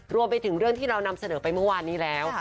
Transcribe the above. รวมไปถึงเรื่องที่เรานำเสนอไปเมื่อวานนี้แล้ว